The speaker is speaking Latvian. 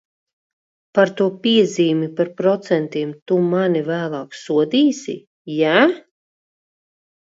Par to piezīmi par procentiem tu mani vēlāk smalki sodīsi, jā?